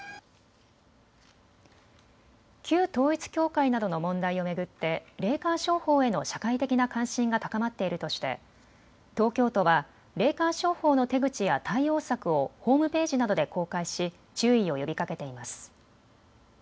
旧統一教会などの問題を巡って霊感商法への社会的な関心が高まっているとして東京都は霊感商法の手口や対応策をホームページなどで公開し注意を呼びかけています。